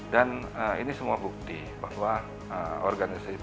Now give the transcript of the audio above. dan ini semua bukti bahwa organisasi polri paham betul bahwa era media era digital